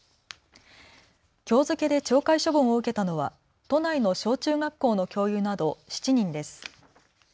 きょう付けで懲戒処分を受けたのは都内の小中学校の教諭など７人です。